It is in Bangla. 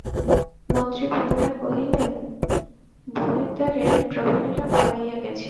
মন্ত্রী পুনরায় কহিলেন, বহির্দ্বারের প্রহরীরা পালাইয়া গেছে।